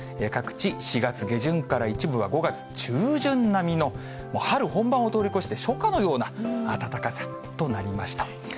各地、４月下旬から一部は５月中旬並みの、もう春本番を通り越して、初夏のような暖かさとなりました。